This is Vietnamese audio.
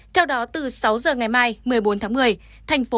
theo đó từ sáu giờ ngày mai một mươi bốn tháng một mươi